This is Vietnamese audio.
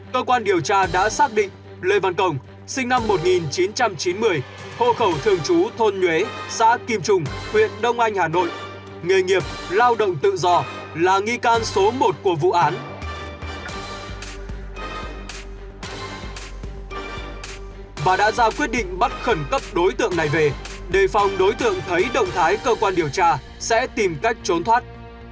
cơ quan điều tra đã xác định lê văn cổng sinh năm một nghìn chín trăm chín mươi hô khẩu thường chú thôn nhuế xã kim trùng huyện đông anh hà nội nghề nghiệp lao động tự do là nghi can số một của vụ án và đã ra quyết định bắt khẩn cấp đối tượng này về để phòng đối tượng thấy động thái cơ quan điều tra sẽ tìm cách trốn thoát